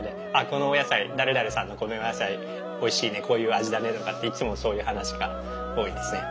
このお野菜誰々さんのこのお野菜おいしいねこういう味だねとかっていつもそういう話が多いですね。